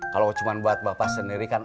kalau cuma buat bapak sendiri kan